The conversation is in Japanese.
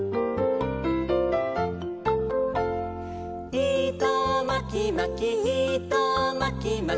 「いとまきまきいとまきまき」